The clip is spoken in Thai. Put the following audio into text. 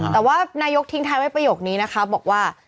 แต่ว่านายกแถมให้ประโยคนี้นะครับบอกว่า